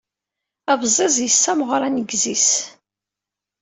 Abẓiẓ yessemɣer aneggez-is.